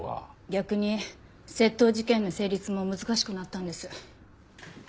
逆に窃盗事件の成立も難しくなったんです。